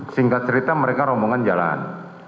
singkat cerita mereka rombongan jalan